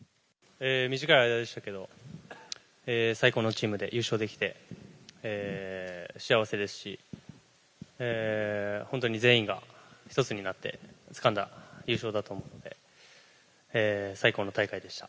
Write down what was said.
短い間でしたけど、最高のチームで優勝できて幸せですし、本当に全員が一つになって、つかんだ優勝だと思うので、最高の大会でした。